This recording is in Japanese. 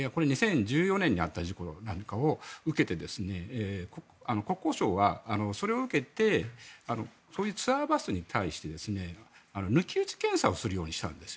これ、２０１４年にあった事故なんかを受けて国交省はそれを受けてそういうツアーバスに対して抜き打ち検査をするようにしたんです。